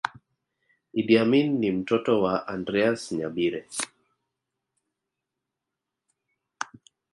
Idi Amin ni mtoto wa Andreas Nyabire